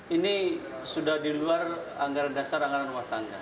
ini sudah diluar anggaran dasar anggaran rumah tangga